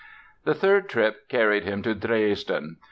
The third trip carried him to Dresden.